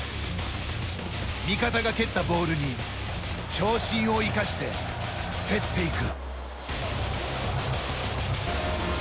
味方が蹴ったボールに長身を生かして、競っていく。